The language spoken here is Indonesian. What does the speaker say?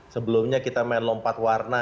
sebelumnya kita main lompat warna